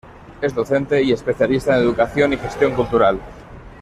Es docente y especialista en educación y gestión cultural.